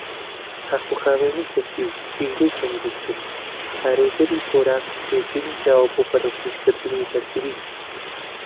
پاکوخاوێنی کەسی و ژیانێکی تەندروست و پارێزی خۆراک پێشبینیکراوە بۆ بەرەوپێشبردنی بەرگری.